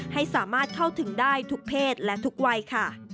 ให้สามารถเข้าถึงได้ทุกเพศและทุกวัยค่ะ